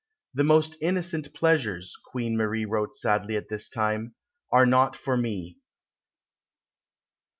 "The most innocent pleasures," Queen Marie wrote sadly at this time, "are not for me."